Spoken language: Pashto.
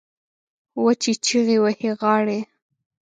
وچې چیغې وهي غاړې